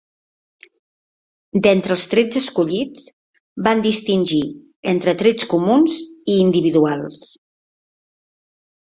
D'entre els trets escollits, van distingir entre trets comuns i individuals.